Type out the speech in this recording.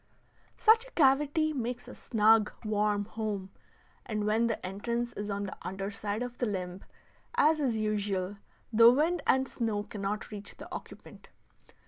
Such a cavity makes a snug, warm home, and when the entrance is on the under side if the limb, as is usual, the wind and snow cannot reach the occupant.